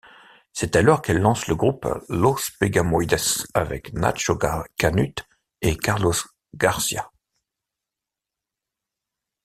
C'est alors qu'elle lance le groupe Los Pegamoides avec Nacho Canut et Carlos García.